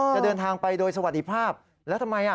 จะเดินทางไปโดยสวัสดีภาพแล้วทำไม